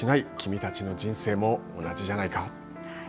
君たちの人生も同じじゃないか。